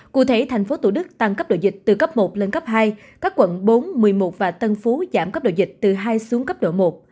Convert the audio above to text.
cụ thể tp thủ đức tăng cấp độ dịch từ cấp một lên cấp hai các quận bốn một mươi một và tân phú giảm cấp độ dịch từ hai xuống cấp độ một